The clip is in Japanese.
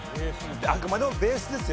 あくまでもベースですよ。